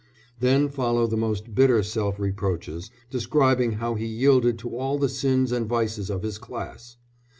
Then follow the most bitter self reproaches, describing how he yielded to all the sins and vices of his class.